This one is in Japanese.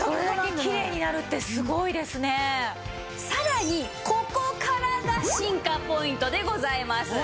さらにここからが進化ポイントでございます！